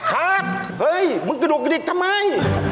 ครับเฮ้ยมึงกระดูกกระดิกทำไม